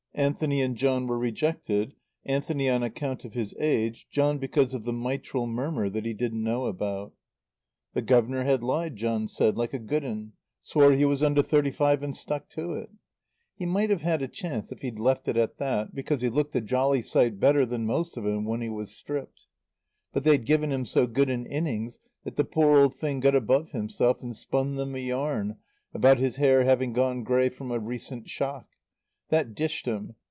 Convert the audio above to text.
Anthony and John were rejected; Anthony on account of his age, John because of the mitral murmur that he didn't know about. The guv'nor had lied, John said, like a good 'un; swore he was under thirty five and stuck to it. He might have had a chance if he'd left it at that, because he looked a jolly sight better than most of 'em when he was stripped. But they'd given him so good an innings that the poor old thing got above himself, and spun them a yarn about his hair having gone grey from a recent shock. That dished him.